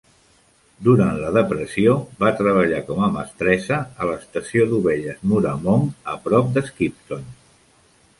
Durant la depressió, va treballar com a mestressa a l'estació d'ovelles Mooramong, a prop de Skipton.